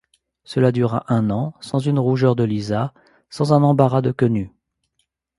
Cela dura un an, sans une rougeur de Lisa, sans un embarras de Quenu.